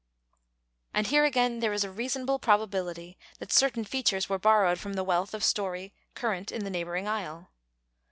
And here again there is a reasonable probability that certain features were borrowed from the wealth of story current in the neighboring isle.